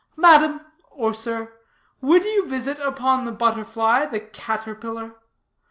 Madam, or sir, would you visit upon the butterfly the caterpillar?